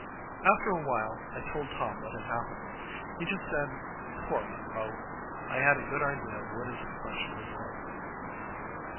After a while, I told Tom what had happened. He just said, "Poor Monroe." I had a good idea of what his expression was like.